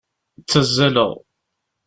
Ttazzaleɣ.